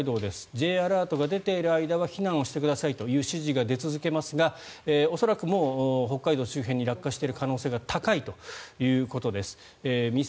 Ｊアラートが出ている間は避難をしてくださいという指示が出続けますが恐らく、もう北海道周辺に落下している可能性が高いということです。